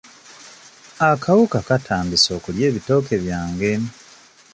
Akawuka katandise okulya ebitooke byange.